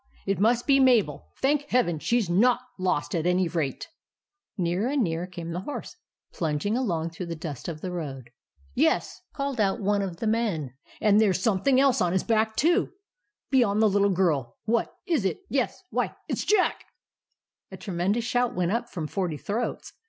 It must be Mabel. Thank Heaven, she 's not lost at any rate ! M Nearer and nearer came the horse, plung ing along through the dust of the road. " Yes !" called out one of the men ;" and there s something else on his back too, be hind the little girl. What !— is it ?— yes — why — it's JACK!" A tremendous shout went up from forty throats.